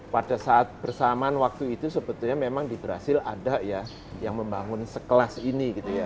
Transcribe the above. pada saat bersamaan waktu itu sebetulnya memang di brazil ada yang membangun sekelas ini